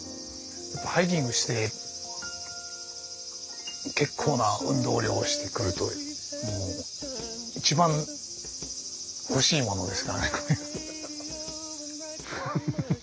ハイキングして結構な運動量をしてくるともう一番欲しいものですからね。